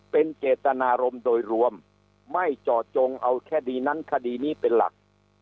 เป็นเจตนารมณ์โดยรวมไม่เจาะจงเอาแค่ดีนั้นคดีนี้เป็นหลัก